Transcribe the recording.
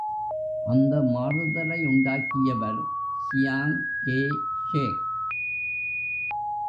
அந்த மாறுதலையுண்டாக்கியவர் Chiang Kai ஷேக்.